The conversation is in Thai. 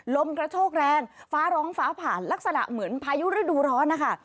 ลมกระโชกแรงฟ้าร้องฟ้าผ่านลักษณะเหมือนพายุฤดูร้อนนะคะ